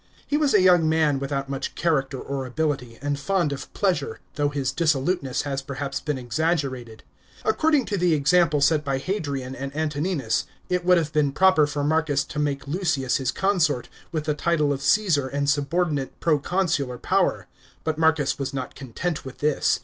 He was a young man without much character or ability, and fond of pleasure, though his dissoluteness has perhaps been exaggerated. According to the example set by Hadrian and Antoninus, it would have been proper for Marcus to make Lucius his consort, with the title of Cassar and subordinate proconsular power. But Marcus was not content with this.